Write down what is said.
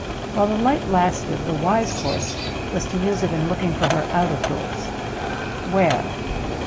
While the light lasted, the wise course was to use it in looking for her out of doors. Where?